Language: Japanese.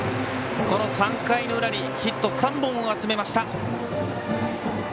この３回の裏にヒット３本を集めました。